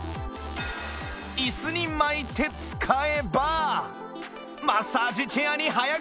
イスに巻いて使えばマッサージチェアに早変わり！